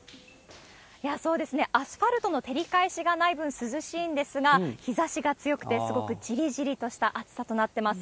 そうですね、アスファルトの照り返しがない分、涼しいんですが、日ざしが強くて、すごくじりじりとした暑さとなってます。